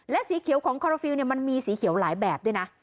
สีเขียวของคอลฟิลมันมีสีเขียวหลายแบบด้วยนะ